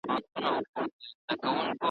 یو ناڅاپه سوه را ویښه له خوبونو `